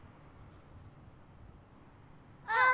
あっ